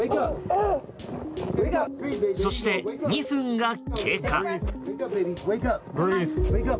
そして、２分が経過。